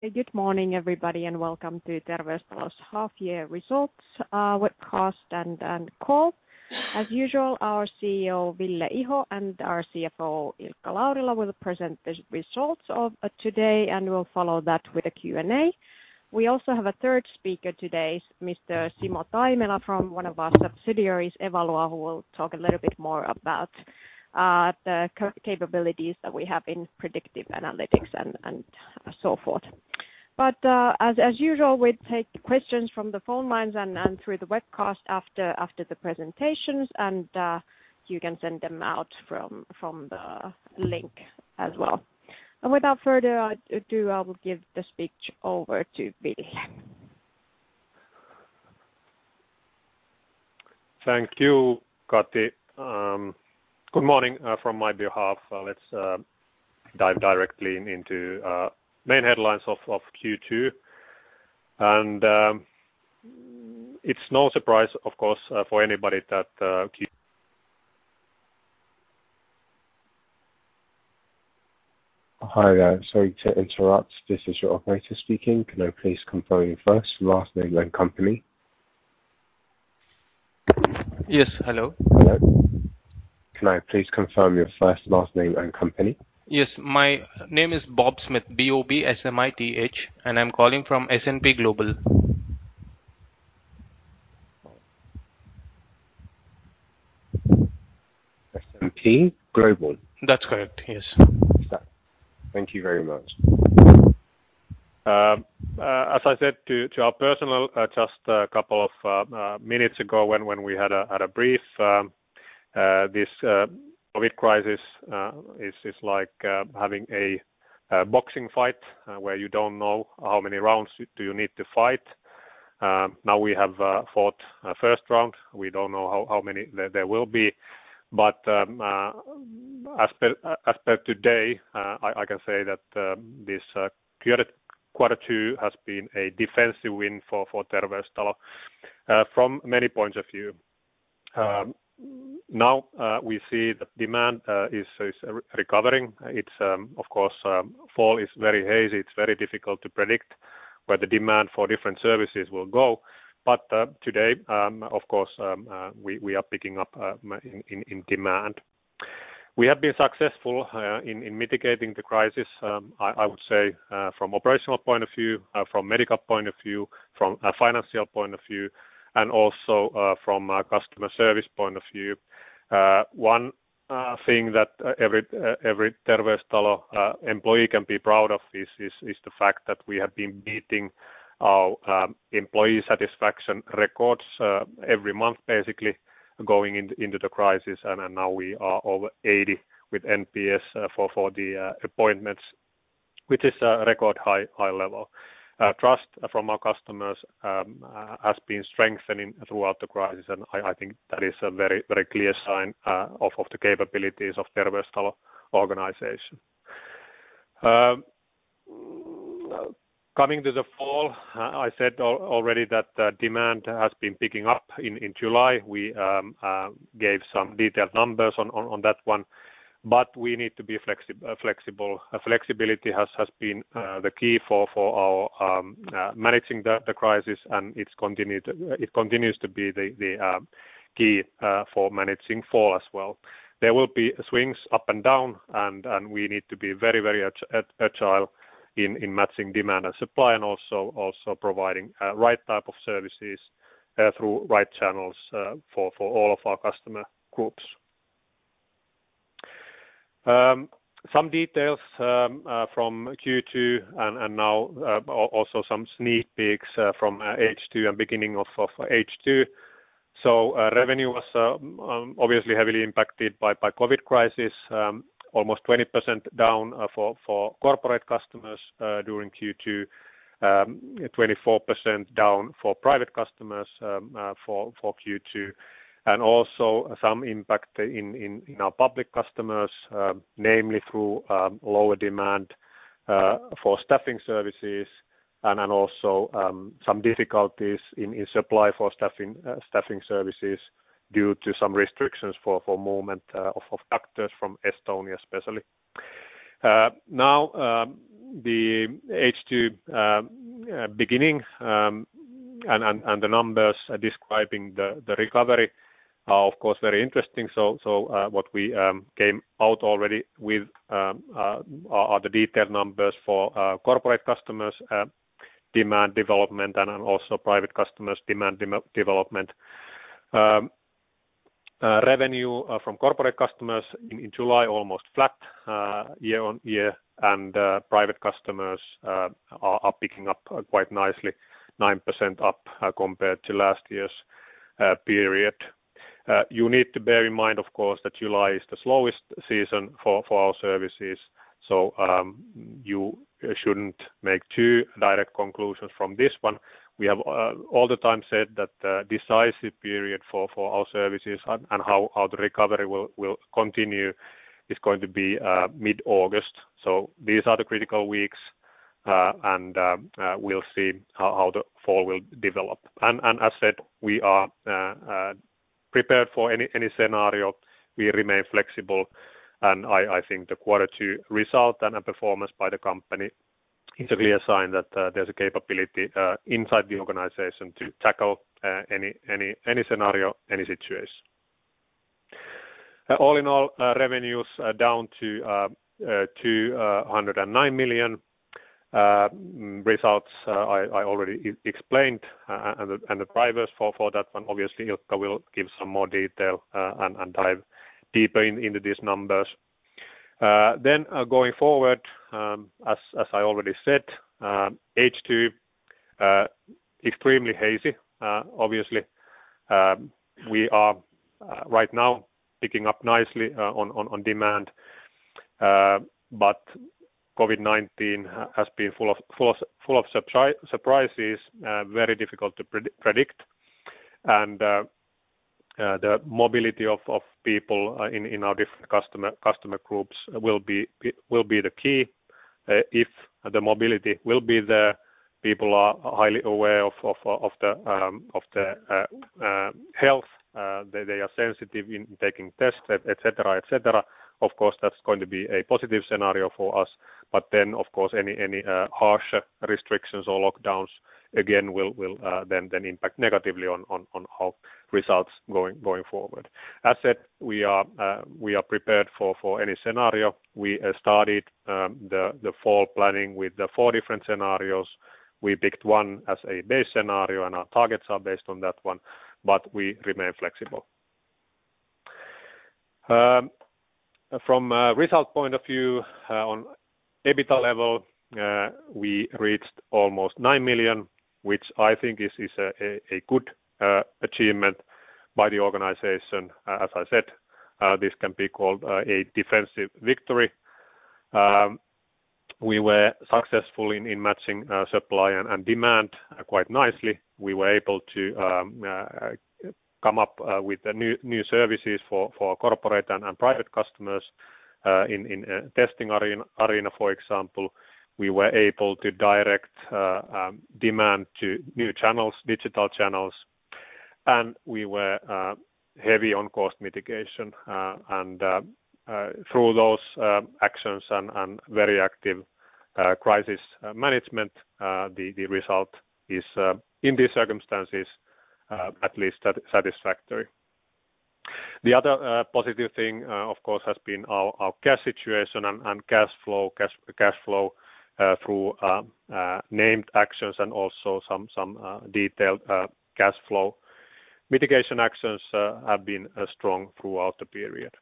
Good morning everybody, welcome to Terveystalo's half year results webcast and call. As usual, our CEO, Ville Iho, and our CFO, Ilkka Laurila, will present the results of today, we'll follow that with a Q&A. We also have a third speaker today, Mr. Simo Taimela, from one of our subsidiaries, Evalua, who will talk a little bit more about the capabilities that we have in predictive analytics and so forth. As usual, we'll take questions from the phone lines and through the webcast after the presentations, you can send them out from the link as well. Without further ado, I will give the speech over to Ville. Thank you, Kati. Good morning from my behalf. Let's dive directly into main headlines of Q2. It's no surprise, of course, for anybody that. As I said to our personnel just a couple of minutes ago when we had a brief, this COVID crisis is like having a boxing fight where you don't know how many rounds do you need to fight. We have fought first round. We don't know how many there will be. As per today I can say that this quarter two has been a defensive win for Terveystalo from many points of view. We see the demand is recovering. Of course, fall is very hazy. It's very difficult to predict where the demand for different services will go. Today of course we are picking up in demand. We have been successful in mitigating the crisis, I would say from operational point of view, from medical point of view, from a financial point of view, and also from a customer service point of view. One thing that every Terveystalo employee can be proud of is the fact that we have been beating our employee satisfaction records every month, basically going into the crisis. Now we are over 80 with NPS for the appointments, which is a record high level. Trust from our customers has been strengthening throughout the crisis. I think that is a very clear sign of the capabilities of Terveystalo organization. Coming to the fall, I said already that demand has been picking up in July. We gave some detailed numbers on that one. We need to be flexible. Flexibility has been the key for our managing the crisis. It continues to be the key for managing fall as well. There will be swings up and down, and we need to be very agile in matching demand and supply and also providing right type of services through right channels for all of our customer groups. Some details from Q2 and now also some sneak peeks from H2 and beginning of H2. Revenue was obviously heavily impacted by COVID-19 crisis. Almost 20% down for corporate customers during Q2, 24% down for private customers for Q2, and also some impact in our public customers namely through lower demand for staffing services and then also some difficulties in supply for staffing services due to some restrictions for movement of doctors from Estonia especially. The H2 beginning and the numbers describing the recovery are of course very interesting. What we came out already with are the detailed numbers for corporate customers demand development and also private customers demand development. Revenue from corporate customers in July almost flat year-on-year, private customers are picking up quite nicely, 9% up compared to last year's period. You need to bear in mind, of course, that July is the slowest season for our services, you shouldn't make too direct conclusions from this one. We have all the time said that decisive period for our services and how the recovery will continue is going to be mid-August. These are the critical weeks, we'll see how the fall will develop. As said, we are prepared for any scenario. We remain flexible, I think the Q2 result and performance by the company is a clear sign that there's a capability inside the organization to tackle any scenario, any situation. All in all, revenues are down to 109 million. Results I already explained, the drivers for that one. Obviously, Ilkka will give some more detail and dive deeper into these numbers. Going forward, as I already said, H2 extremely hazy, obviously. We are right now picking up nicely on demand, but COVID-19 has been full of surprises. Very difficult to predict. The mobility of people in our different customer groups will be the key. If the mobility will be there, people are highly aware of their health. They are sensitive in taking tests, et cetera. Of course, that's going to be a positive scenario for us. Of course, any harsh restrictions or lockdowns again will then impact negatively on our results going forward. As said, we are prepared for any scenario. We started the fall planning with the four different scenarios. We picked one as a base scenario, and our targets are based on that one, but we remain flexible. From a result point of view, on EBITDA level, we reached almost 9 million, which I think is a good achievement by the organization. As I said, this can be called a defensive victory. We were successful in matching supply and demand quite nicely. We were able to come up with new services for corporate and private customers in testing arena, for example. We were able to direct demand to new channels, digital channels, and we were heavy on cost mitigation. Through those actions and very active crisis management, the result is, in these circumstances, at least satisfactory. The other positive thing, of course, has been our cash situation and cash flow through named actions and also some detailed cash flow mitigation actions have been strong throughout the period.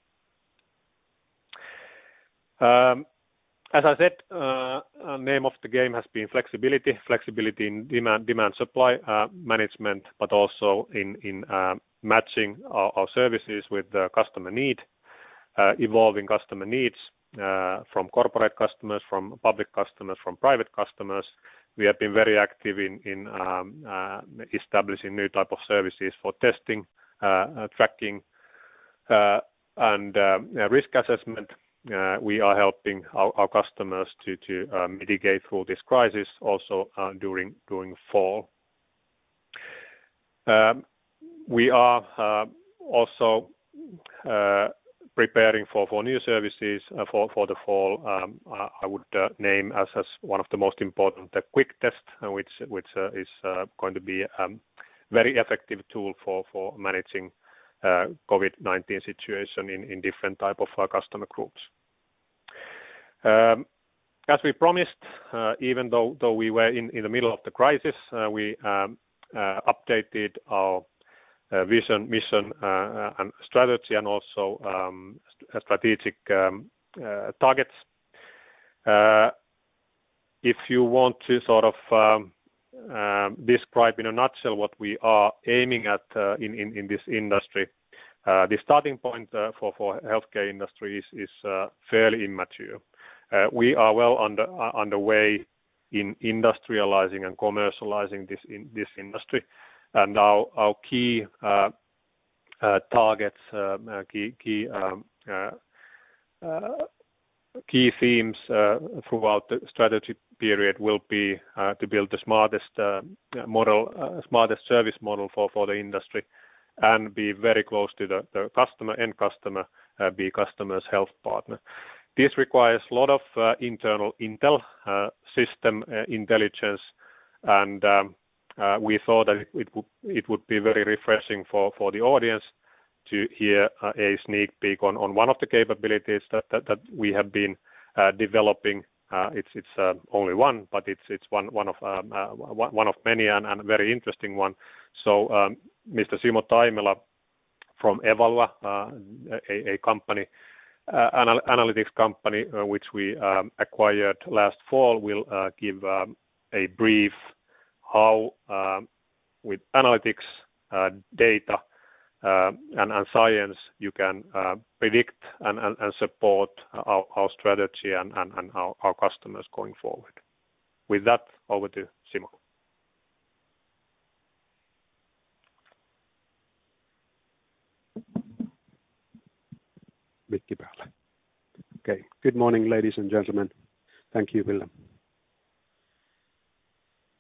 As I said, name of the game has been flexibility. Flexibility in demand supply management, but also in matching our services with the evolving customer needs from corporate customers, from public customers, from private customers. We have been very active in establishing new type of services for testing, tracking, and risk assessment. We are helping our customers to mitigate through this crisis also during fall. We are also preparing for new services for the fall. I would name as one of the most important the Quick Test, which is going to be a very effective tool for managing COVID-19 situation in different type of our customer groups. As we promised, even though we were in the middle of the crisis, we updated our vision, mission, and strategy and also strategic targets. If you want to sort of describe in a nutshell what we are aiming at in this industry, the starting point for healthcare industry is fairly immature. We are well underway in industrializing and commercializing this industry. Our key targets, key themes throughout the strategy period will be to build the smartest service model for the industry and be very close to the end customer, be customer's health partner. This requires lot of internal intel system intelligence, and we thought that it would be very refreshing for the audience to hear a sneak peek on one of the capabilities that we have been developing. It's only one, but it's one of many and a very interesting one. Mr. Simo Taimela from Evalua Analytics company, which we acquired last fall, will give a brief how with analytics, data, and science you can predict and support our strategy and our customers going forward. With that, over to Simo. Okay. Good morning, ladies and gentlemen. Thank you, Ville.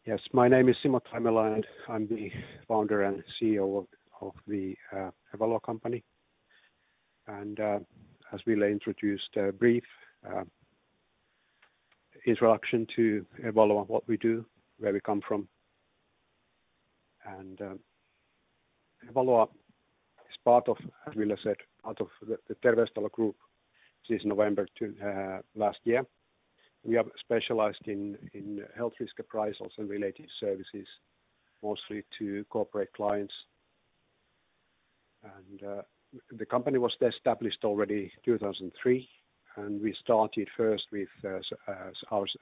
Yes, my name is Simo Taimela, and I'm the founder and CEO of the Evalua company. As Ville introduced, a brief introduction to Evalua and what we do, where we come from. Evalua is part of, as Ville said, out of the Terveystalo group since November last year. We have specialized in health risk appraisals and related services, mostly to corporate clients. The company was established already 2003, and we started first with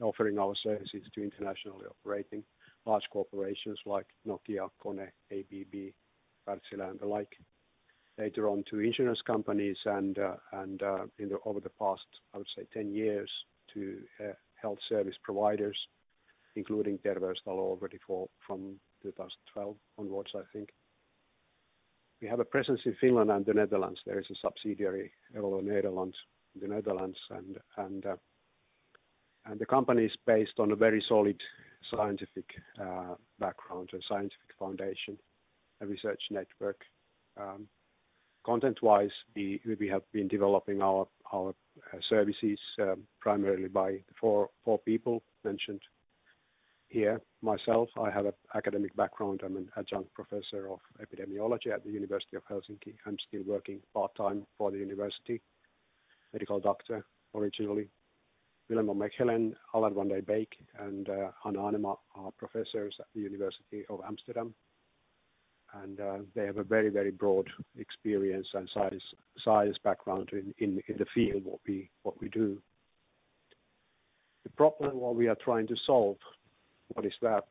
offering our services to internationally operating large corporations like Nokia, Kone, ABB, Wärtsilä, and the like. Later on to insurance companies and over the past, I would say, 10 years to health service providers, including Terveystalo already from 2012 onwards, I think. We have a presence in Finland and the Netherlands. There is a subsidiary, Evalua Netherlands, in the Netherlands. The company is based on a very solid scientific background or scientific foundation, a research network. Content-wise, we have been developing our services primarily by four people mentioned here. Myself, I have an academic background. I'm an adjunct professor of epidemiology at the University of Helsinki. I'm still working part-time for the university. Medical doctor, originally. Willem van Mechelen, Allard van der Beek, and Han Anema are professors at the University of Amsterdam. They have a very broad experience and science background in the field, what we do. The problem what we are trying to solve, what is that?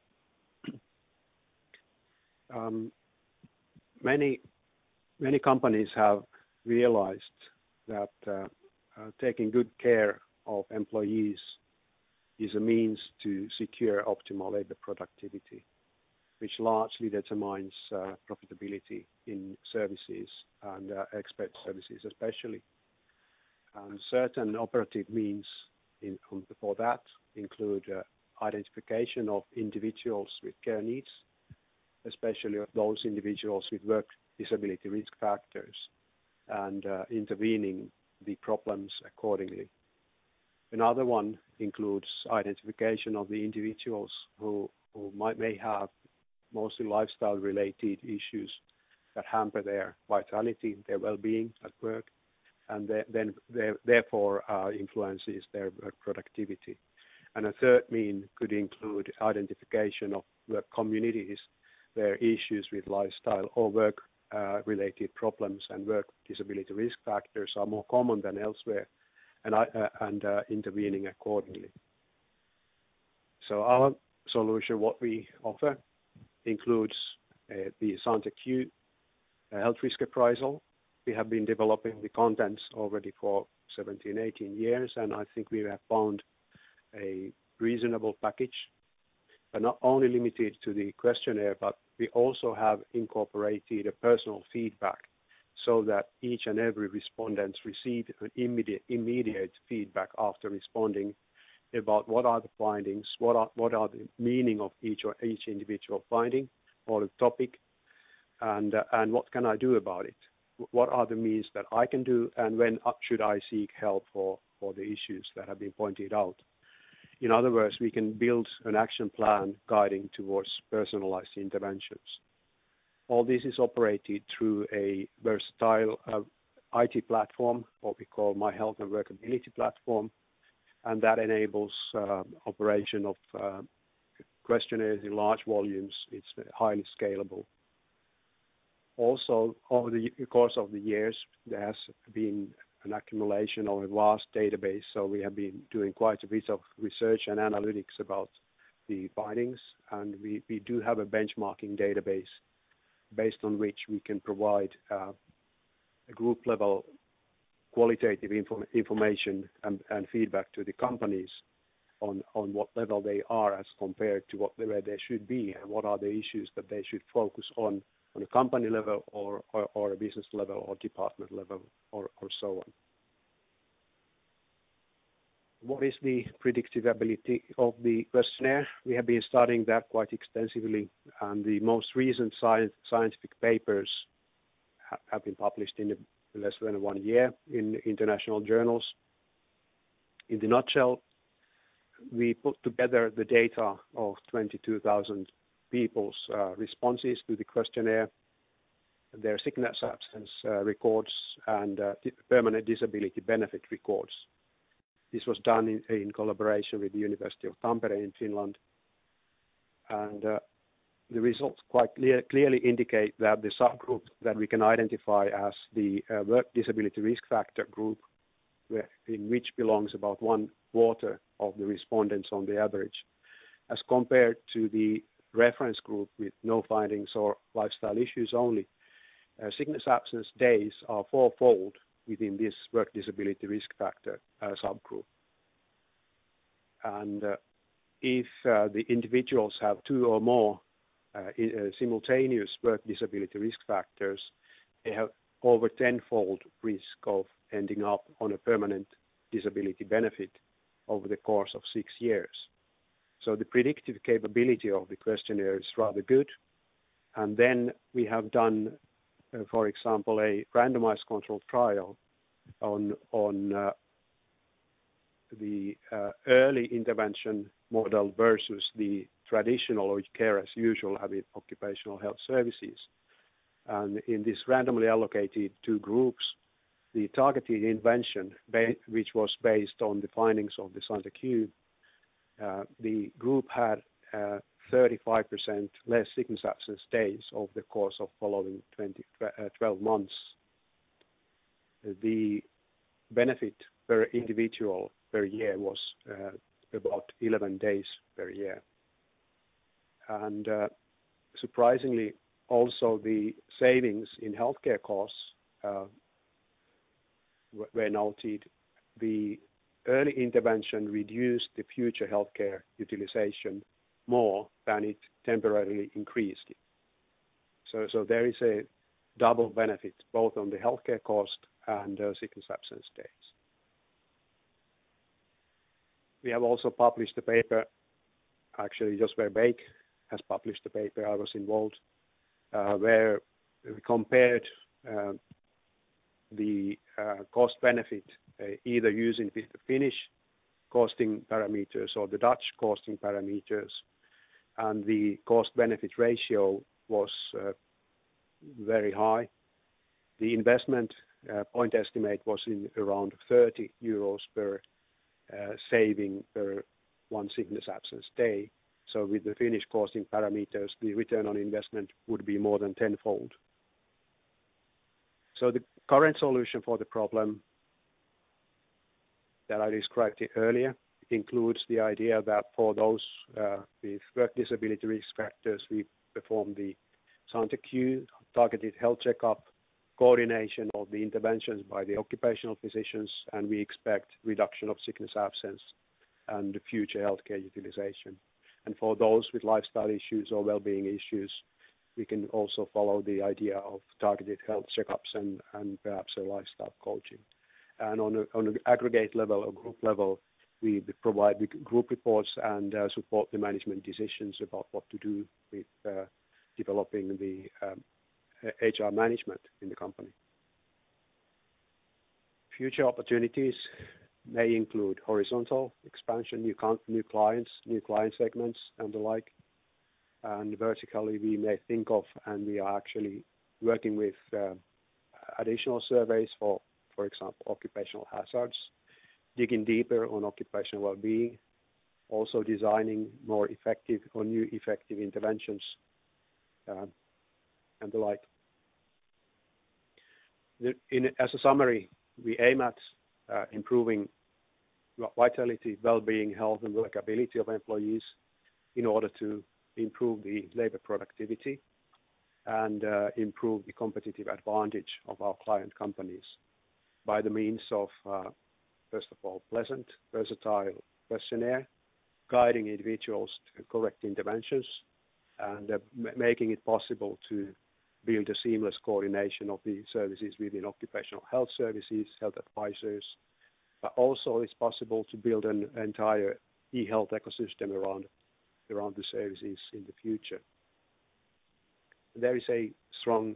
Many companies have realized that taking good care of employees is a means to secure optimal labor productivity, which largely determines profitability in services and expert services, especially. Certain operative means for that include identification of individuals with care needs, especially of those individuals with work disability risk factors, and intervening the problems accordingly. Another one includes identification of the individuals who may have mostly lifestyle-related issues that hamper their vitality, their wellbeing at work, and therefore influences their work productivity. A third mean could include identification of work communities, where issues with lifestyle or work-related problems and work disability risk factors are more common than elsewhere, and intervening accordingly. Our solution, what we offer, includes the Sante Q health risk appraisal. We have been developing the contents already for 17, 18 years, and I think we have found a reasonable package. Not only limited to the questionnaire, we also have incorporated a personal feedback so that each and every respondent receive an immediate feedback after responding about what are the findings, what are the meaning of each individual finding or topic, and what can I do about it. What are the means that I can do, and when should I seek help for the issues that have been pointed out? In other words, we can build an action plan guiding towards personalized interventions. All this is operated through a versatile IT platform, what we call My Health and Work Ability platform, that enables operation of questionnaires in large volumes. It's highly scalable. Over the course of the years, there has been an accumulation of a vast database. We have been doing quite a bit of research and analytics about the findings, and we do have a benchmarking database based on which we can provide a group level qualitative information and feedback to the companies on what level they are as compared to where they should be and what are the issues that they should focus on a company level or a business level or department level or so on. What is the predictive ability of the questionnaire? We have been studying that quite extensively, and the most recent scientific papers have been published in less than one year in international journals. In a nutshell, we put together the data of 22,000 people's responses to the questionnaire, their sickness absence records, and permanent disability benefit records. This was done in collaboration with the University of Tampere in Finland. The results quite clearly indicate that the subgroup that we can identify as the work disability risk factor group, in which belongs about one-quarter of the respondents on the average, as compared to the reference group with no findings or lifestyle issues only. Sickness absence days are fourfold within this work disability risk factor subgroup. If the individuals have two or more simultaneous work disability risk factors, they have over tenfold risk of ending up on a permanent disability benefit over the course of six years. The predictive capability of the questionnaire is rather good. We have done, for example, a randomized control trial on the early intervention model versus the traditional or care as usual, habit occupational health services. In this randomly allocated two groups, the targeted intervention, which was based on the findings of the Sante Q, the group had 35% less sickness absence days over the course of following 12 months. The benefit per individual per year was about 11 days per year. Surprisingly, also the savings in healthcare costs were noted. The early intervention reduced the future healthcare utilization more than it temporarily increased it. There is a double benefit both on the healthcare cost and sickness absence days. We have also published a paper, actually Jos Verbeek has published a paper, I was involved, where we compared the cost benefit either using the Finnish costing parameters or the Dutch costing parameters, and the cost benefit ratio was very high. The investment point estimate was in around 30 euros per saving per one sickness absence day. With the Finnish costing parameters, the return on investment would be more than tenfold. The current solution for the problem that I described earlier includes the idea that for those with work disability risk factors, we perform the Sante Q targeted health checkup, coordination of the interventions by the occupational physicians, and we expect reduction of sickness absence and future healthcare utilization. For those with lifestyle issues or wellbeing issues, we can also follow the idea of targeted health checkups and perhaps a lifestyle coaching. On an aggregate level or group level, we provide group reports and support the management decisions about what to do with developing the HR management in the company. Future opportunities may include horizontal expansion, new clients, new client segments, and the like. Vertically we may think of, and we are actually working with additional surveys, for example, occupational hazards, digging deeper on occupational wellbeing, also designing more effective or new effective interventions, and the like. As a summary, we aim at improving vitality, wellbeing, health, and work ability of employees in order to improve the labor productivity and improve the competitive advantage of our client companies by the means of, first of all, pleasant, versatile questionnaire, guiding individuals to correct interventions, and making it possible to build a seamless coordination of the services within occupational health services, health advisors. Also it's possible to build an entire e-health ecosystem around the services in the future. There is a strong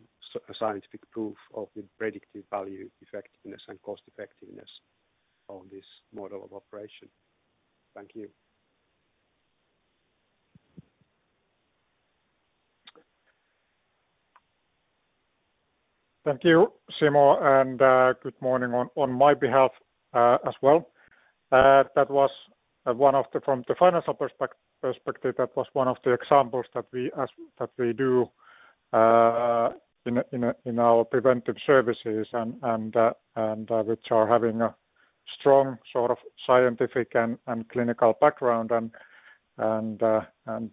scientific proof of the predictive value effectiveness and cost-effectiveness on this model of operation. Thank you. Thank you, Simo. Good morning on my behalf as well. From the financial perspective, that was one of the examples that we do in our preventive services and which are having a strong sort of scientific and clinical background and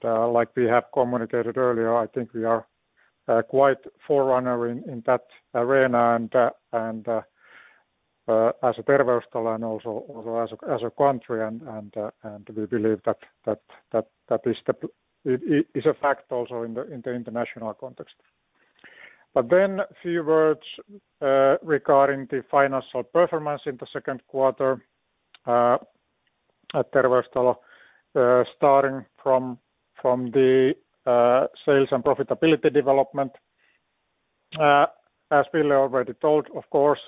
like we have communicated earlier, I think we are quite forerunner in that arena and as a Terveystalo and also as a country, and we believe that is a fact also in the international context. Few words regarding the financial performance in the Q2 at Terveystalo starting from the sales and profitability development. As Ville already told, of course,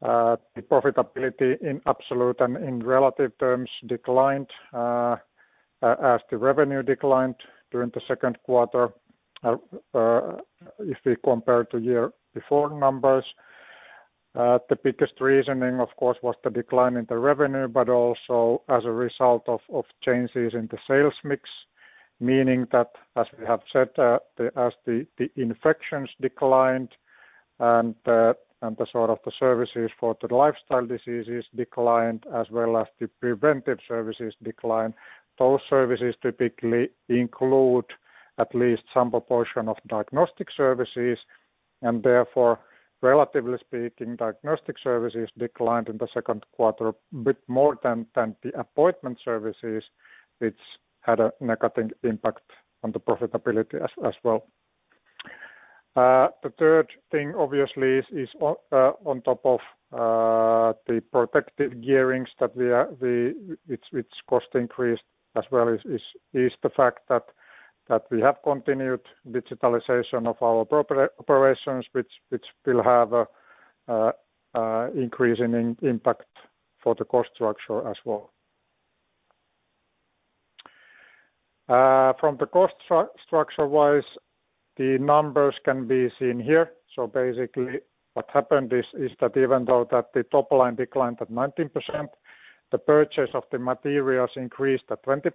the profitability in absolute and in relative terms declined as the revenue declined during the Q2 if we compare to year-before numbers. The biggest reasoning of course was the decline in the revenue, but also as a result of changes in the sales mix, meaning that as we have said, as the infections declined and the sort of the services for the lifestyle diseases declined as well as the preventive services declined. Those services typically include at least some proportion of diagnostic services. Therefore, relatively speaking, diagnostic services declined in the Q2 a bit more than the appointment services, which had a negative impact on the profitability as well. The third thing, obviously, is on top of the protective gearings. Its cost increased as well, is the fact that we have continued digitalization of our operations, which will have an increasing impact for the cost structure as well. From the cost structure-wise, the numbers can be seen here. Basically, what happened is that even though that the top line declined at 19%, the purchase of the materials increased at 20%,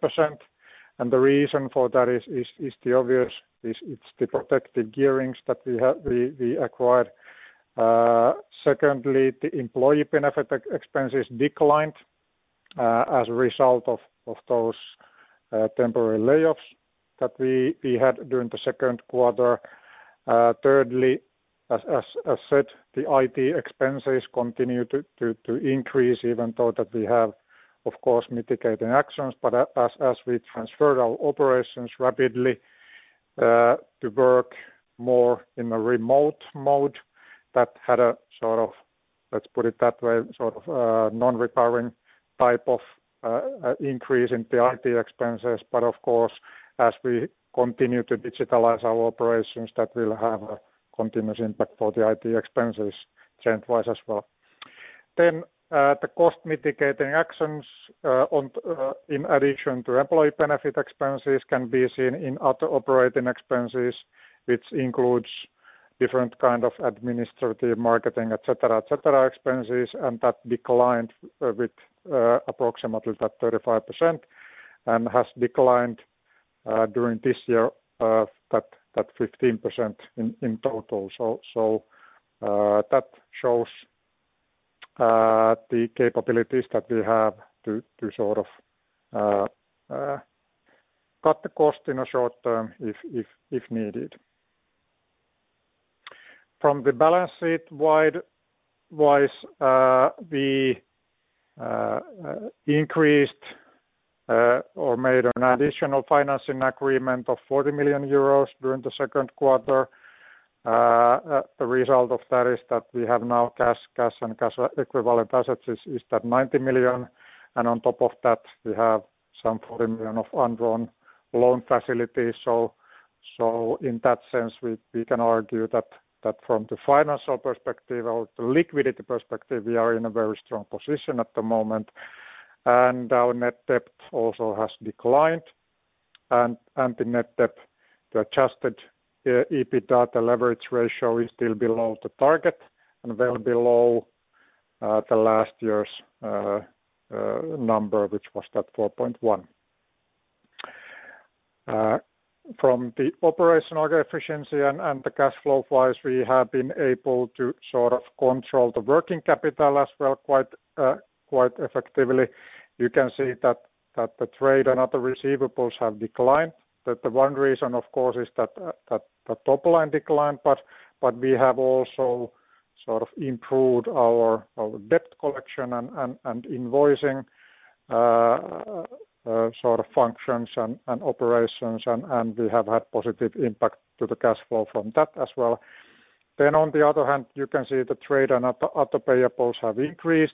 and the reason for that is the obvious, it's the protective gear that we acquired. Secondly, the employee benefit expenses declined as a result of those temporary layoffs that we had during the Q2. Thirdly, as I said, the IT expenses continue to increase even though that we have, of course, mitigating actions. As we transferred our operations rapidly to work more in a remote mode, that had a sort of, let's put it that way, non-recurring type of increase in the IT expenses. Of course, as we continue to digitalize our operations, that will have a continuous impact for the IT expenses trend-wise as well. The cost-mitigating actions in addition to employee benefit expenses can be seen in other operating expenses, which includes different kind of administrative marketing, et cetera, et cetera, expenses, and that declined with approximately that 35% and has declined during this year that 15% in total. That shows the capabilities that we have to sort of cut the cost in a short term if needed. From the balance sheet-wise, we increased or made an additional financing agreement of 40 million euros during the Q2. The result of that is that we have now cash and cash equivalent assets is that 90 million, and on top of that, we have some 40 million of undrawn loan facilities. In that sense, we can argue that from the financial perspective or the liquidity perspective, we are in a very strong position at the moment. Our net debt also has declined, the net debt, the adjusted EBITDA leverage ratio is still below the target and well below the last year's number, which was that 4.1. From the operational efficiency and the cash flow-wise, we have been able to sort of control the working capital as well quite effectively. You can see that the trade and other receivables have declined. That the one reason, of course, is that the top line declined, but we have also sort of improved our debt collection and invoicing sort of functions and operations, and we have had positive impact to the cash flow from that as well. On the other hand, you can see the trade and other payables have increased.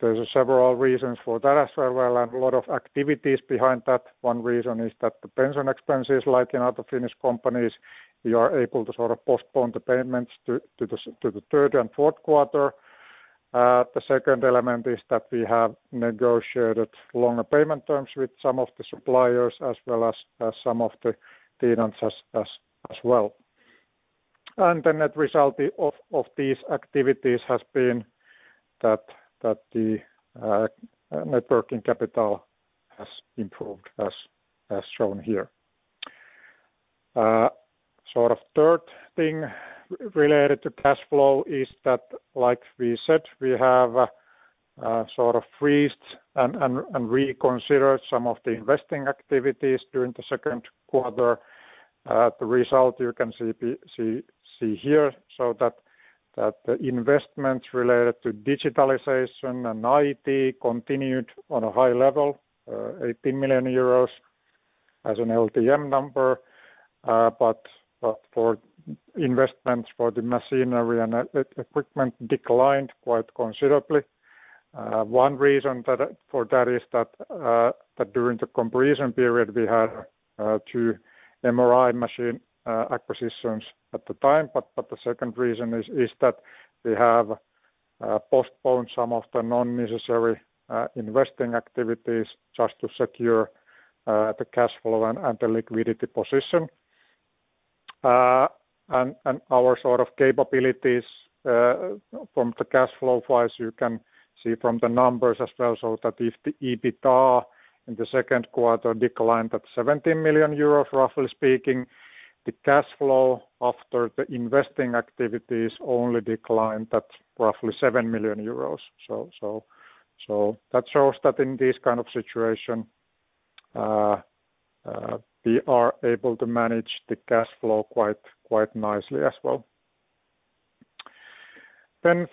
There's several reasons for that as well, and a lot of activities behind that. One reason is that the pension expenses, like in other Finnish companies, we are able to sort of postpone the payments to the third and Q4. The second element is that we have negotiated longer payment terms with some of the suppliers as well as some of the tenants as well. The net result of these activities has been that the net working capital has improved as shown here. Sort of third thing related to cash flow is that, like we said, we have sort of freezed and reconsidered some of the investing activities during the Q2. The result you can see here, so that the investments related to digitalization and IT continued on a high level, 18 million euros as an LTM number. For investments for the machinery and equipment declined quite considerably. One reason for that is that during the comparison period, we had two MRI machine acquisitions at the time. The second reason is that we have postponed some of the non-necessary investing activities just to secure the cash flow and the liquidity position. Our sort of capabilities from the cash flow-wise, you can see from the numbers as well, so that if the EBITDA in the Q2 declined at 17 million euros, roughly speaking. The cash flow after the investing activities only declined at roughly 7 million euros. That shows that in this kind of situation, we are able to manage the cash flow quite nicely as well.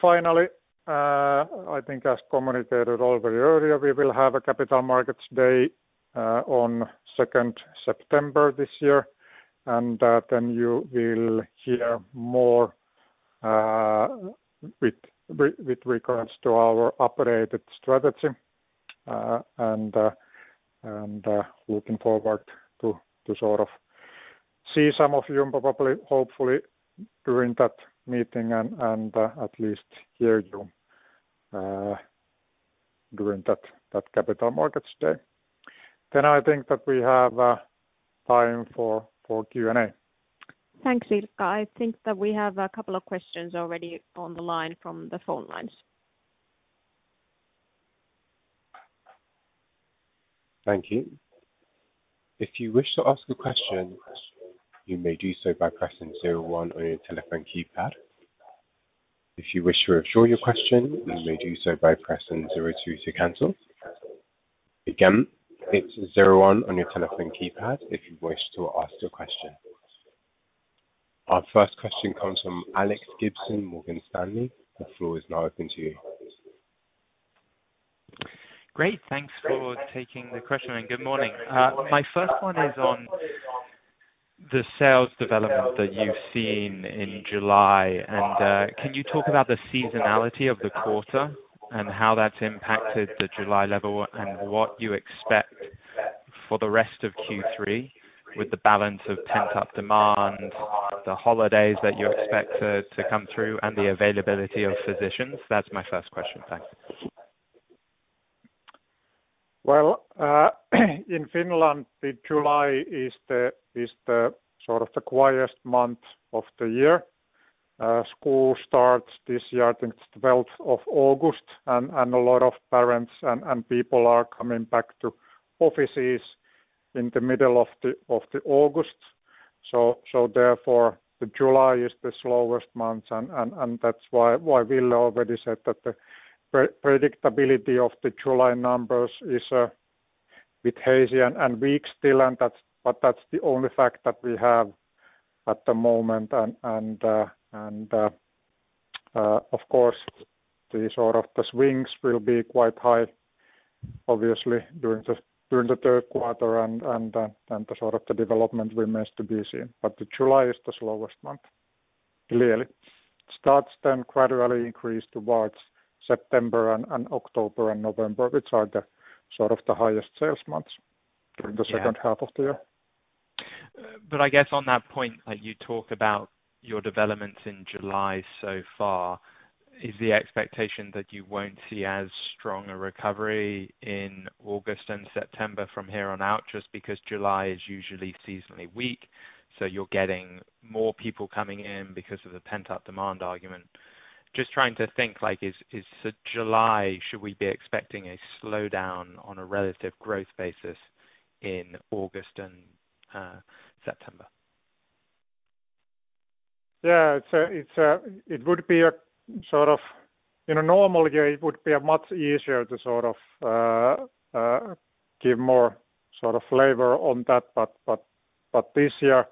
Finally, I think as communicated already earlier, we will have a Capital Markets Day on 2 September this year. You will hear more with regards to our operated strategy, and looking forward to see some of you probably, hopefully, during that meeting and at least hear you during that Capital Markets Day. I think that we have time for Q&A. Thanks, Ilkka. I think that we have a couple of questions already on the line from the phone lines. Thank you. If you wish to ask a question, you may do so by pressing zero one on your telephone keypad. If you wish to withdraw your question, you may do so by pressing zero two to cancel. Again, it's zero one on your telephone keypad if you wish to ask a question. Our first question comes from Alex Gibson, Morgan Stanley. The floor is now open to you. Great. Thanks for taking the question, good morning. My first one is on the sales development that you've seen in July. Can you talk about the seasonality of the quarter and how that's impacted the July level, and what you expect for the rest of Q3 with the balance of pent-up demand, the holidays that you expect to come through, and the availability of physicians? That's my first question. Thanks. Well, in Finland, the July is the quietest month of the year. School starts this year, I think it's the 12 August, and a lot of parents and people are coming back to offices in the middle of the August. Therefore, the July is the slowest month and that's why Ville already said that the predictability of the July numbers is a bit hazy and weak still, but that's the only fact that we have at the moment. Of course, the swings will be quite high, obviously, during the Q3, and the development remains to be seen. The July is the slowest month, clearly. It starts then gradually increase towards September and October and November, which are the highest sales months during the second half of the year. I guess on that point, you talk about your developments in July so far. Is the expectation that you won't see as strong a recovery in August and September from here on out, just because July is usually seasonally weak, so you're getting more people coming in because of the pent-up demand argument? Just trying to think, like is the July, should we be expecting a slowdown on a relative growth basis in August and September? Yeah. In a normal year, it would be a much easier to give more flavor on that. This year,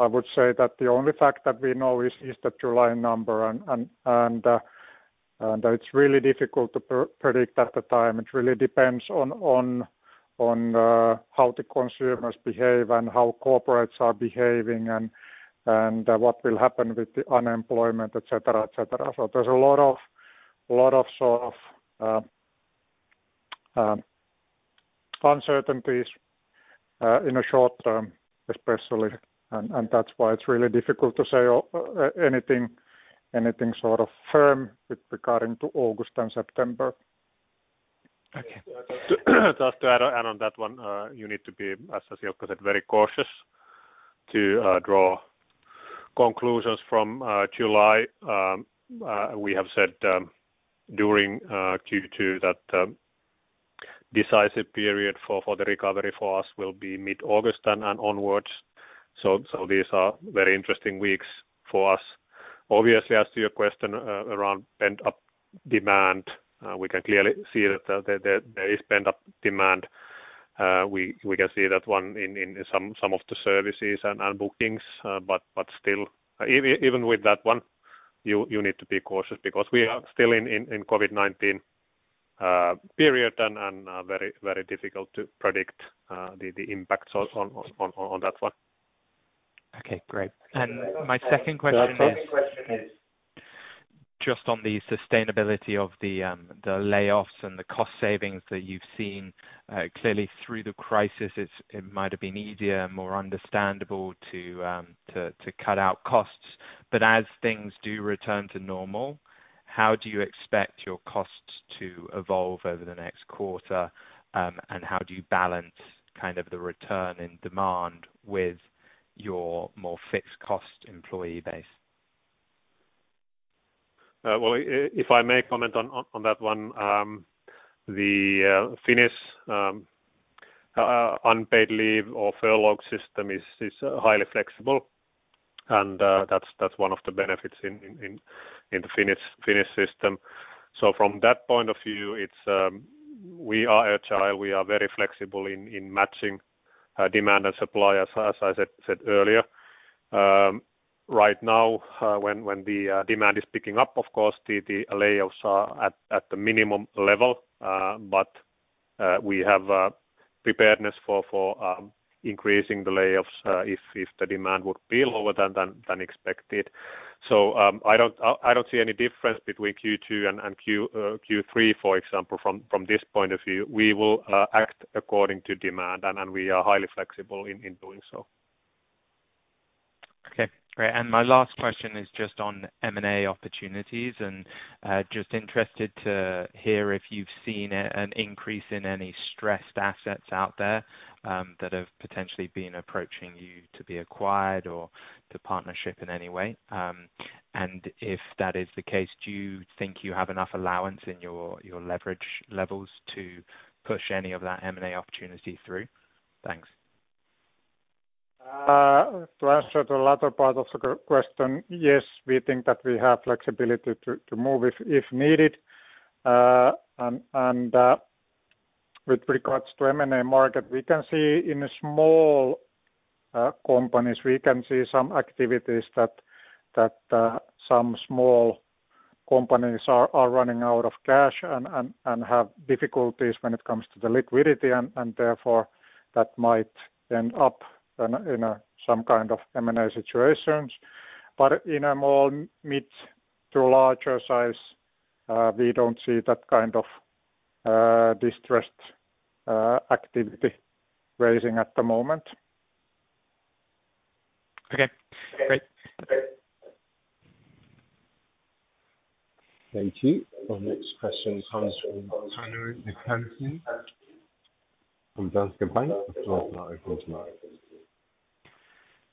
I would say that the only fact that we know is the July number, and it's really difficult to predict at the time. It really depends on how the consumers behave and how corporates are behaving and what will happen with the unemployment, et cetera. There's a lot of uncertainties in a short term, especially, and that's why it's really difficult to say anything firm with regarding to August and September. Just to add on that one, you need to be, as Ilkka said, very cautious to draw conclusions from July. We have said, during Q2 that decisive period for the recovery for us will be mid-August and onwards. These are very interesting weeks for us. Obviously, as to your question around pent-up demand, we can clearly see that there is pent-up demand. We can see that one in some of the services and bookings. Still, even with that one, you need to be cautious because we are still in COVID-19 period, and very difficult to predict the impact on that one. Okay, great. My second question is just on the sustainability of the layoffs and the cost savings that you've seen. Clearly through the crisis, it might have been easier, more understandable to cut out costs. As things do return to normal, how do you expect your costs to evolve over the next quarter? How do you balance kind of the return in demand with your more fixed cost employee base? Well, if I may comment on that one, the Finnish unpaid leave or furlough system is highly flexible, and that's one of the benefits in the Finnish system. From that point of view, we are agile. We are very flexible in matching demand and supply, as I said earlier. Right now, when the demand is picking up, of course, the layoffs are at the minimum level. We have preparedness for increasing the layoffs if the demand would be lower than expected. I don't see any difference between Q2 and Q3, for example, from this point of view. We will act according to demand, and we are highly flexible in doing so. Okay. Great. My last question is just on M&A opportunities and just interested to hear if you've seen an increase in any stressed assets out there that have potentially been approaching you to be acquired or to partnership in any way. If that is the case, do you think you have enough allowance in your leverage levels to push any of that M&A opportunity through? Thanks. To answer the latter part of the question, yes, we think that we have flexibility to move if needed. With regards to M&A market, we can see in small companies, we can see some activities that some small companies are running out of cash and have difficulties when it comes to the liquidity, and therefore, that might end up in some kind of M&A situations. In a more mid to larger size, we don't see that kind of distressed activity raising at the moment. Okay, great. Thank you. Our next question comes from Panu Laitinmäki from Danske Bank. The floor is now open to you.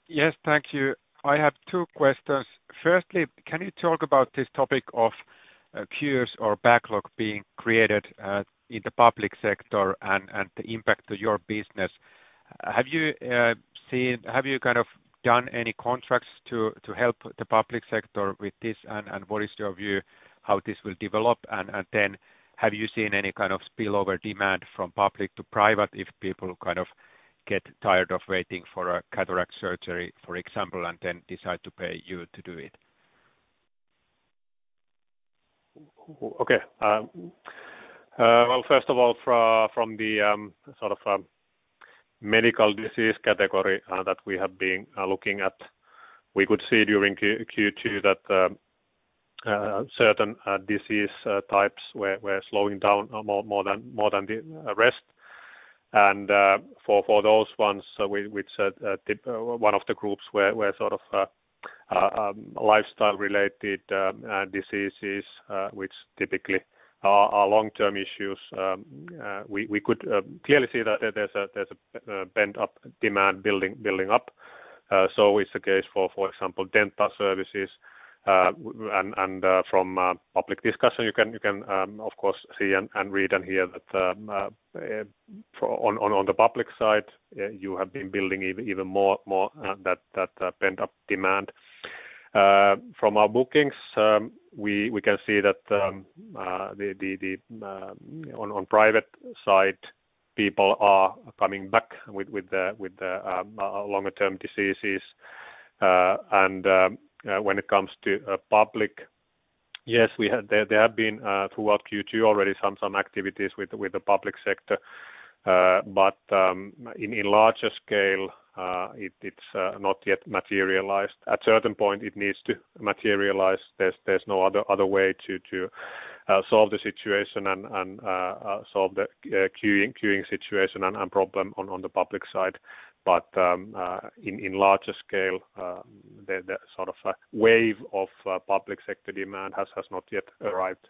Yes. Thank you. I have two questions. Firstly, can you talk about this topic of queues or backlog being created in the public sector and the impact to your business? Have you done any contracts to help the public sector with this? What is your view how this will develop? Have you seen any kind of spillover demand from public to private if people kind of get tired of waiting for a cataract surgery, for example, and then decide to pay you to do it? Okay. Well, first of all, from the sort of medical disease category that we have been looking at, we could see during Q2 that certain disease types were slowing down more than the rest. For those ones, one of the groups were sort of lifestyle-related diseases which typically are long-term issues. We could clearly see that there's a pent-up demand building up. It's the case, for example, dental services. From public discussion, you can of course see and read and hear that on the public side, you have been building even more that pent-up demand. From our bookings, we can see that on private side, people are coming back with the longer-term diseases. When it comes to public, yes, there have been throughout Q2 already some activities with the public sector. In larger scale, it's not yet materialized. At certain point, it needs to materialize. There's no other way to solve the situation and solve the queuing situation and problem on the public side. In larger scale, the sort of wave of public sector demand has not yet arrived.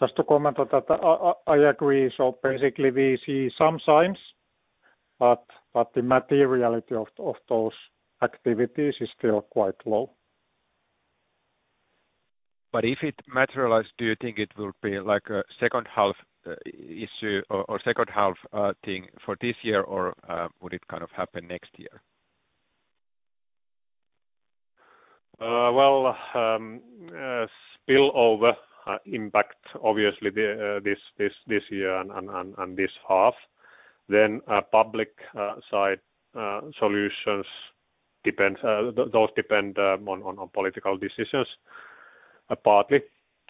Just to comment on that. I agree. Basically we see some signs, but the materiality of those activities is still quite low. If it materialize, do you think it will be like a second half issue or second half thing for this year, or would it kind of happen next year? Well, spillover impact, obviously this year and this half. Public side solutions, those depend on political decisions partly.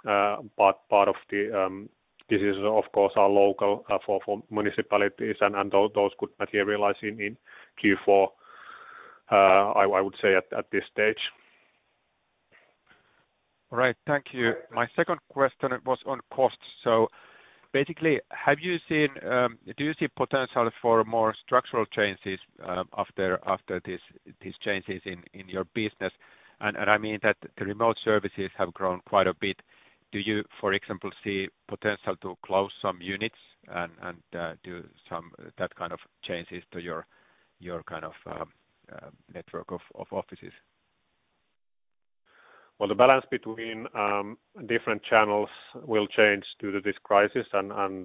Part of the decisions, of course, are local for municipalities, and those could materialize in Q4, I would say at this stage. All right. Thank you. My second question was on costs. Basically, do you see potential for more structural changes after these changes in your business? I mean that the remote services have grown quite a bit. Do you, for example, see potential to close some units and do that kind of changes to your kind of network of offices. Well, the balance between different channels will change due to this crisis, and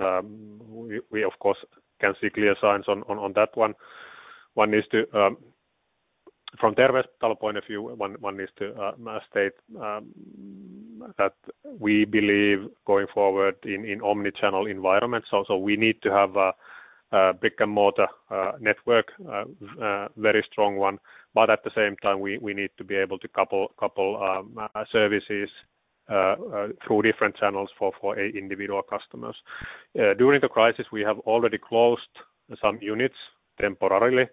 we of course can see clear signs on that one. From Terveystalo point of view, one needs to state that we believe going forward in omnichannel environments also, we need to have a brick-and-mortar network, a very strong one. At the same time, we need to be able to couple services through different channels for individual customers. During the crisis, we have already closed some units temporarily.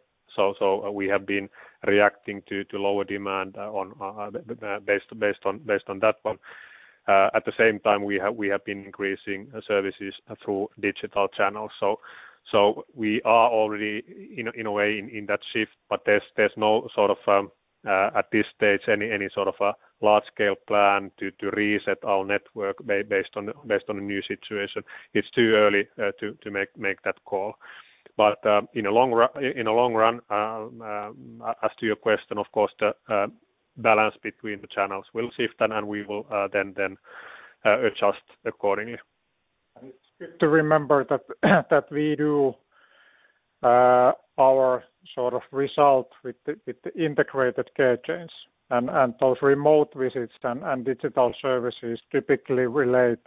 We have been reacting to lower demand based on that one. At the same time, we have been increasing services through digital channels. We are already in a way, in that shift, but there's no, at this stage, any sort of a large-scale plan to reset our network based on the new situation. It's too early to make that call. In the long run, as to your question, of course, the balance between the channels will shift, and we will then adjust accordingly. It's good to remember that we do our sort of result with the integrated care chains, and those remote visits and digital services typically relate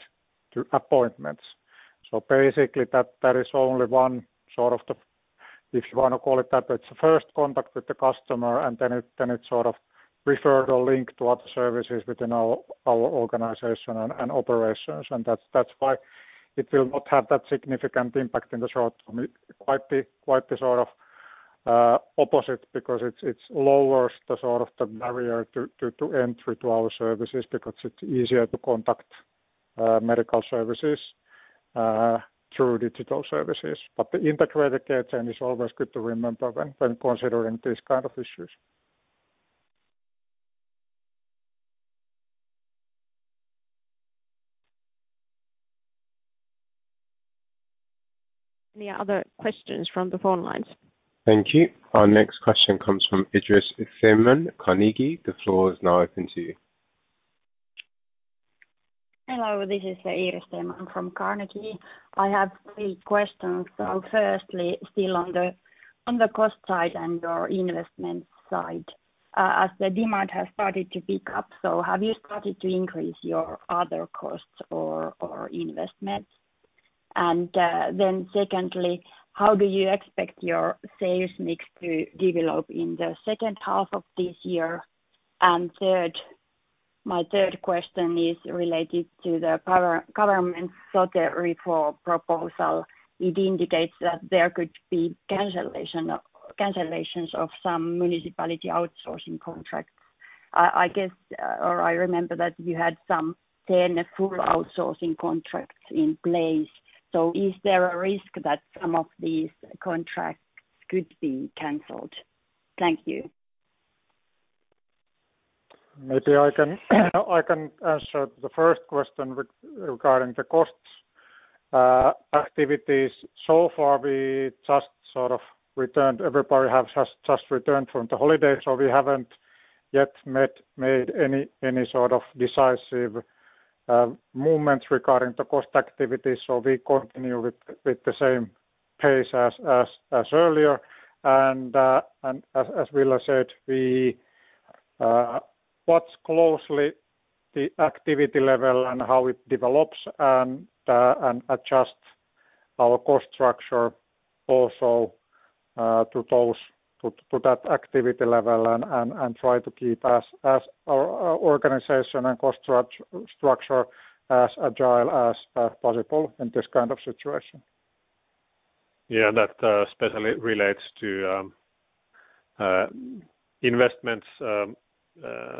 to appointments. Basically, there is only one sort of the, if you want to call it that, it's the first contact with the customer, and then it sort of refer the link to other services within our organization and operations. That's why it will not have that significant impact in the short term. It might be quite the sort of opposite because it lowers the sort of the barrier to entry to our services because it's easier to contact medical services through digital services. The integrated care chain is always good to remember when considering these kind of issues. Any other questions from the phone lines? Thank you. Our next question comes from Iiris Theman, Carnegie. The floor is now open to you. Hello, this is Iiris Theman from Carnegie. I have three questions. Firstly, still on the cost side and your investment side. As the demand has started to pick up, so have you started to increase your other costs or investments? Secondly, how do you expect your sales mix to develop in the second half of this year? Third, my third question is related to the government's Sote reform proposal. It indicates that there could be cancellations of some municipality outsourcing contracts. I guess, or I remember that you had some 10 full outsourcing contracts in place. Is there a risk that some of these contracts could be canceled? Thank you. Maybe I can answer the first question regarding the costs activities. Far, everybody has just returned from the holiday, so we haven't yet made any sort of decisive movements regarding the cost activities. We continue with the same pace as earlier. As Ville said, we watch closely the activity level and how it develops and adjust our cost structure also to that activity level and try to keep our organization and cost structure as agile as possible in this kind of situation. Yeah, that especially relates to investments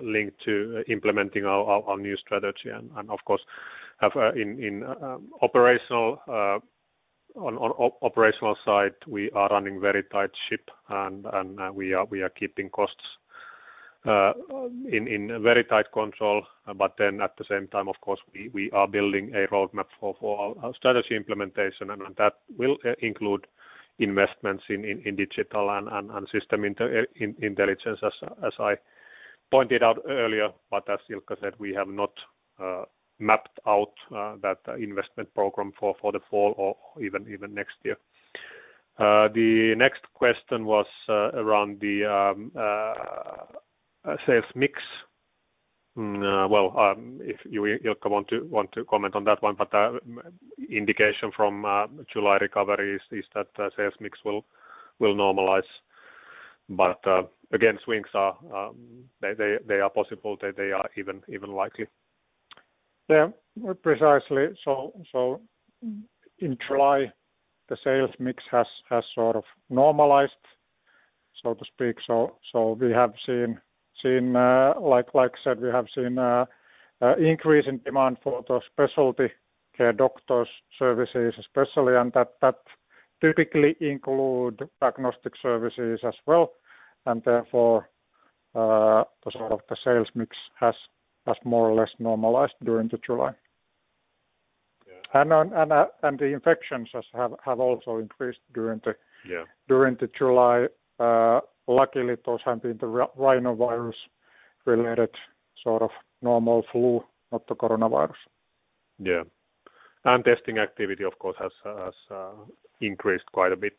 linked to implementing our new strategy. Of course, on operational side, we are running very tight ship and we are keeping costs in very tight control. At the same time, of course, we are building a roadmap for our strategy implementation, and that will include investments in digital and system intelligence, as I pointed out earlier. As Ilkka said, we have not mapped out that investment program for the fall or even next year. The next question was around the sales mix. If you Ilkka want to comment on that one, but indication from July recovery is that sales mix will normalize. Again, swings are possible. They are even likely. Yeah. Precisely. In July, the sales mix has sort of normalized, so to speak. Like I said, we have seen increase in demand for the specialty care doctors services especially, and that typically include diagnostic services as well. Therefore, the sort of the sales mix has more or less normalized during the July. The infections have also increased during the July. Luckily, those have been the rhinovirus-related sort of normal flu, not the coronavirus. Testing activity, of course, has increased quite a bit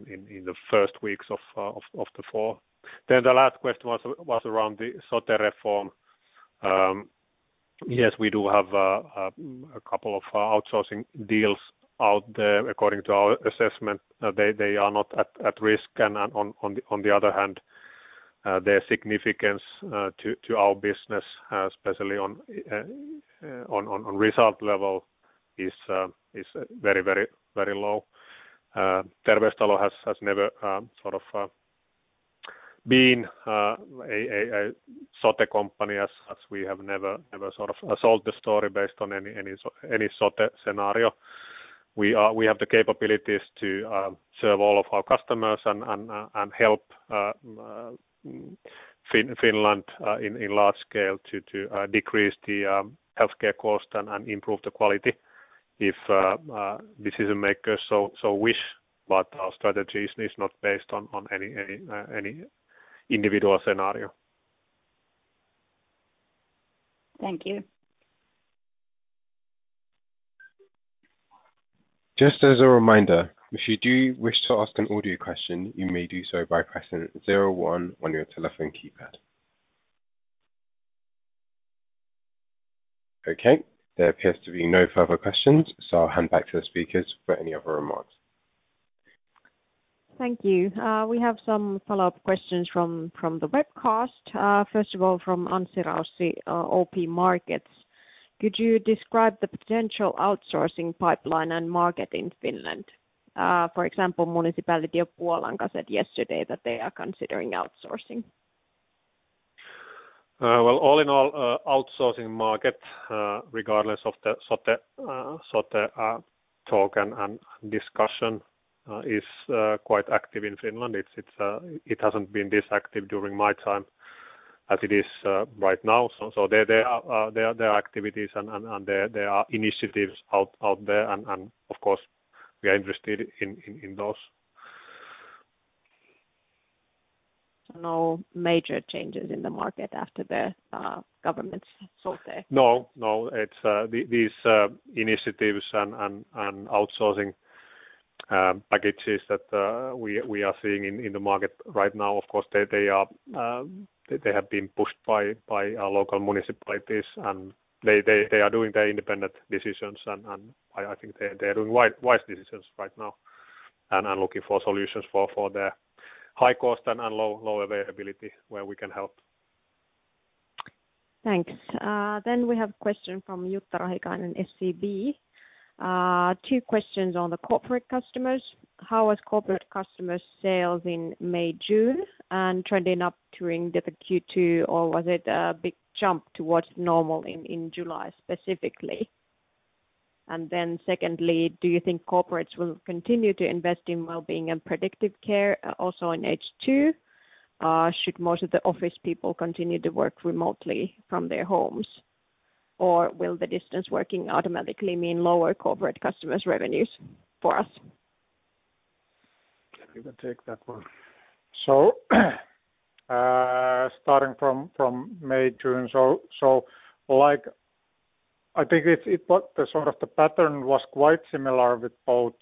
in the first weeks of the fall. The last question was around the Sote reform. Yes, we do have a couple of outsourcing deals out there according to our assessment. They are not at risk. On the other hand, their significance to our business, especially on result level, is very low. Terveystalo has never sort of been a Sote company, as we have never sort of sold the story based on any Sote scenario. We have the capabilities to serve all of our customers and help Finland in large scale to decrease the healthcare cost and improve the quality if decision-makers so wish, but our strategy is not based on any individual scenario. Thank you. Just as a reminder, if you do wish to ask an audio question, you may do so by pressing zero one on your telephone keypad. There appears to be no further questions. I'll hand back to the speakers for any other remarks. Thank you. We have some follow-up questions from the webcast. First of all, from Anssi Raussi, OP Markets. Could you describe the potential outsourcing pipeline and market in Finland? For example, Municipality of Puolanka said yesterday that they are considering outsourcing. Well, all in all, outsourcing market, regardless of the Sote talk and discussion, is quite active in Finland. It hasn't been this active during my time as it is right now. There are activities and there are initiatives out there, and of course, we are interested in those. No major changes in the market after the government's Sote? No. These initiatives and outsourcing packages that we are seeing in the market right now, of course, they have been pushed by local municipalities. They are doing their independent decisions. I think they are doing wise decisions right now and are looking for solutions for the high cost and low availability where we can help. Thanks. We have a question from Jutta Rahikainen, SEB. Two questions on the corporate customers. How was corporate customers' sales in May, June, and trending up during the Q2, or was it a big jump towards normal in July specifically? Secondly, do you think corporates will continue to invest in well-being and predictive care also in H2 should most of the office people continue to work remotely from their homes? Will the distance working automatically mean lower corporate customers' revenues for us? I can take that one. Starting from May, June. I think the sort of the pattern was quite similar with both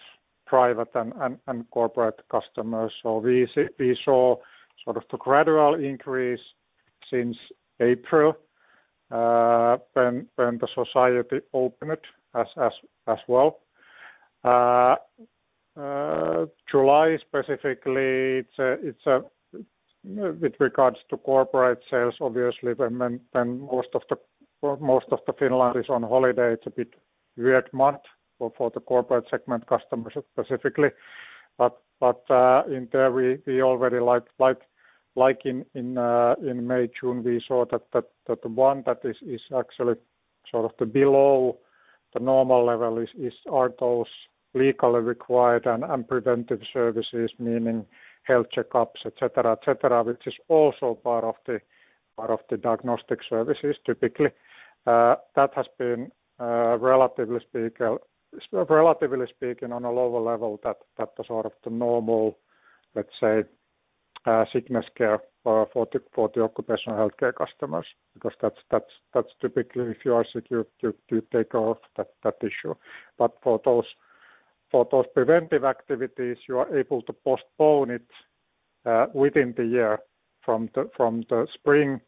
private and corporate customers. We saw sort of the gradual increase since April, when the society opened as well. July specifically, with regards to corporate sales, obviously, when most of Finland is on holiday, it's a bit weird month for the corporate segment customers specifically. In there, we already like in May, June, we saw that the one that is actually sort of the below the normal level are those legally required and preventive services, meaning health checkups, et cetera, which is also part of the diagnostic services typically. That has been, relatively speaking, on a lower level that the sort of the normal, let's say, sickness care for the occupational healthcare customers because that's typically if you are sick, you take care of that issue. For those preventive activities, you are able to postpone it within the year from the spring to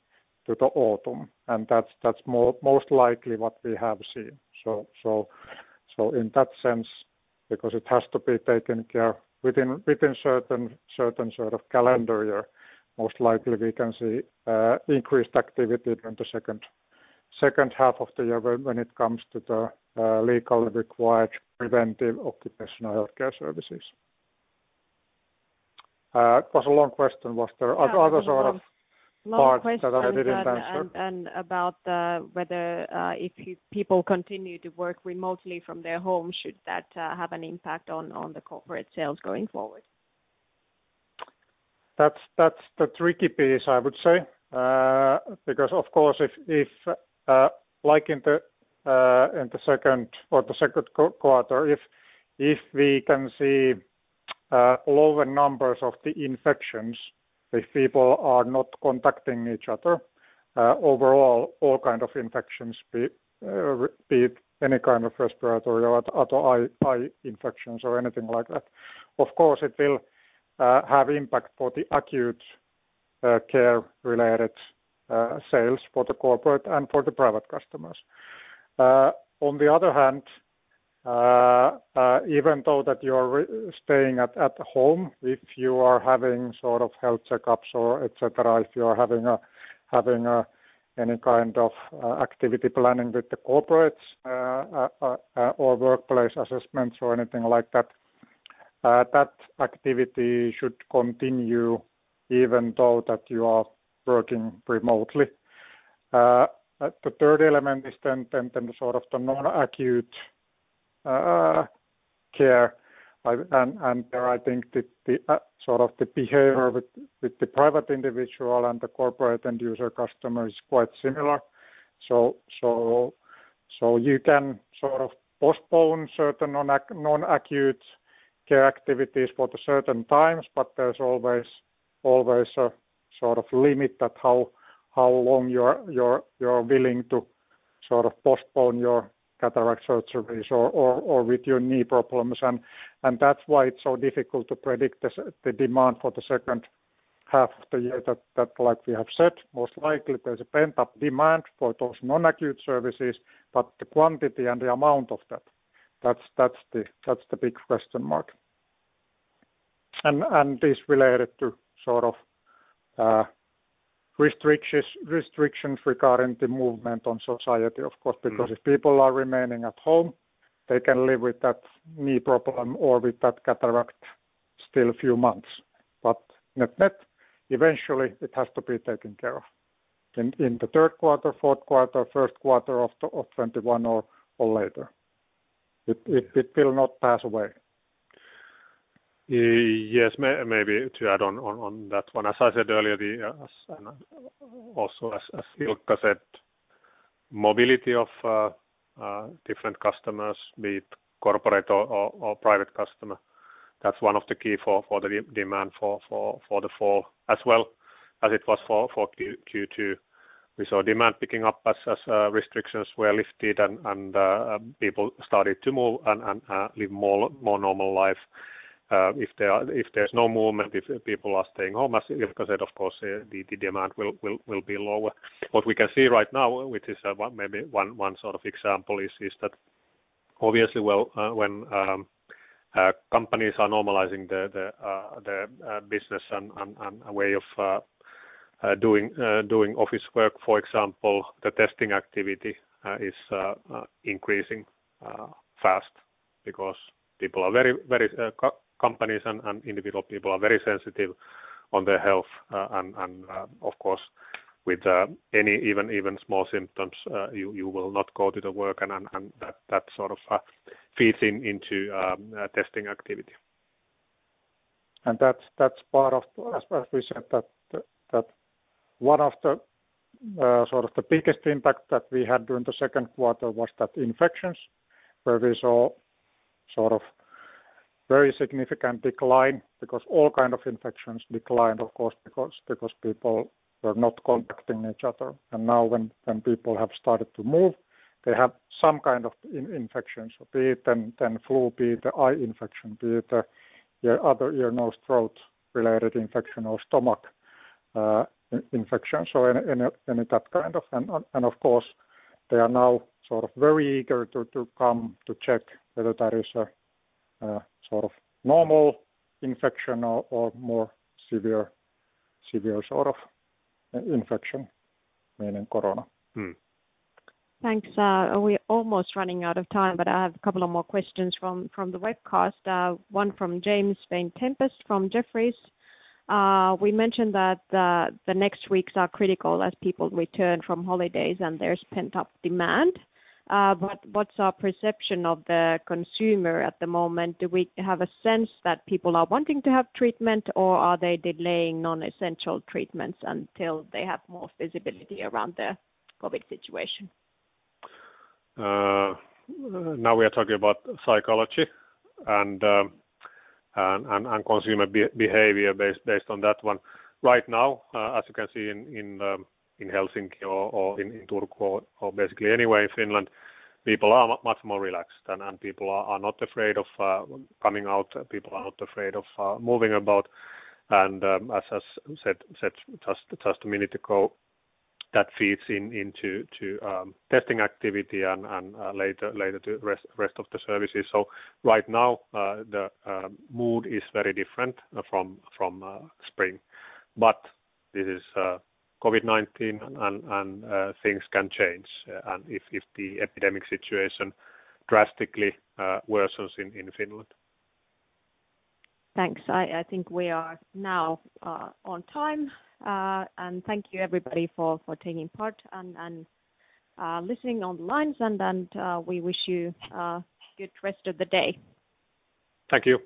the autumn, and that's most likely what we have seen. In that sense, because it has to be taken care within certain sort of calendar year, most likely we can see increased activity during the second half of the year when it comes to the legally required preventive occupational healthcare services. It was a long question. Was there other sort of parts that I didn't answer? Long question and about whether if people continue to work remotely from their home, should that have an impact on the corporate sales going forward? That's the tricky piece, I would say. Of course, if like in the Q2, if we can see lower numbers of the infections, if people are not contacting each other, overall, all kind of infections, be it any kind of respiratory or other eye infections or anything like that, of course, it will have impact for the acute care-related sales for the corporate and for the private customers. On the other hand, even though that you are staying at home, if you are having sort of health checkups or et cetera, if you are having any kind of activity planning with the corporates or workplace assessments or anything like that activity should continue even though that you are working remotely. The third element is then the sort of the non-acute care, and there I think the sort of the behavior with the private individual and the corporate end user customer is quite similar. You can sort of postpone certain non-acute care activities for the certain times, but there's always a sort of limit that how long you're willing to sort of postpone your cataract surgeries or with your knee problems. That's why it's so difficult to predict the demand for the second half of the year, that like we have said, most likely there's a pent-up demand for those non-acute services, but the quantity and the amount of that's the big question mark. This related to sort of restrictions regarding the movement on society, of course. If people are remaining at home, they can live with that knee problem or with that cataract still a few months. Net, eventually it has to be taken care of in the Q3, Q4, Q1 of 2021 or later. It will not pass away. Yes, maybe to add on that one. As I said earlier, and also as Ilkka said, mobility of different customers, be it corporate or private customer, that's one of the key for the demand for the fall, as well as it was for Q2. We saw demand picking up as restrictions were lifted and people started to move and live more normal life. If there's no movement, if people are staying home, as Ilkka said, of course, the demand will be lower. What we can see right now, which is maybe one sort of example is that obviously when companies are normalizing their business and way of doing office work, for example, the testing activity is increasing fast because companies and individual people are very sensitive on their health. Of course, with any even small symptoms, you will not go to the work and that sort of feeds into testing activity. That's part of, as we said, that one of the sort of the biggest impact that we had during the Q2 was that infections, where we saw sort of very significant decline because all kind of infections declined, of course, because people were not contacting each other. Now when people have started to move, they have some kind of infection. Be it then flu, be it eye infection, be it other ear, nose, throat-related infection or stomach infection. Of course, they are now sort of very eager to come to check whether that is a sort of normal infection or more severe sort of infection, meaning corona. Thanks. We're almost running out of time, but I have a couple of more questions from the webcast, one from James Vane-Tempest from Jefferies. We mentioned that the next weeks are critical as people return from holidays and there's pent-up demand. What's our perception of the consumer at the moment? Do we have a sense that people are wanting to have treatment, or are they delaying non-essential treatments until they have more visibility around the COVID situation? Now we are talking about psychology and consumer behavior based on that one. Right now, as you can see in Helsinki or in Turku or basically anywhere in Finland, people are much more relaxed and people are not afraid of coming out. People are not afraid of moving about. As I said just a minute ago, that feeds into testing activity and later to rest of the services. Right now, the mood is very different from spring. This is COVID-19 and things can change and if the epidemic situation drastically worsens in Finland. Thanks. I think we are now on time. Thank you everybody for taking part and listening on lines, and we wish you a good rest of the day. Thank you.